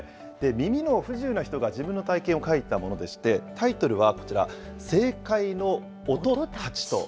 耳の不自由な人が自分の体験を描いたものでして、タイトルはこちら、正解の音たちと。